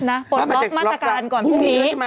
ปลดล็อกมาตรการก่อนพรุ่งนี้